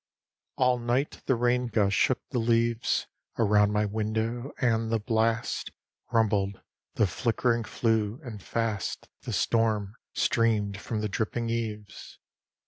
XXXIII All night the rain gusts shook the leaves Around my window; and the blast Rumbled the flickering flue, and fast The storm streamed from the dripping eaves.